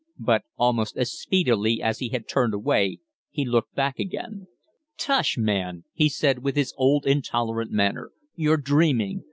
But almost as speedily as he had turned away he looked back again. "Tush, man!" he said, with his old, intolerant manner. "You're dreaming.